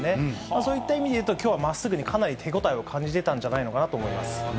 そういった意味でいうと、きょうはまっすぐに、かなり手応えを感じてたんじゃないかと思います。